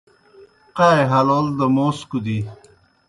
قائے ہلول دہ موس کُدی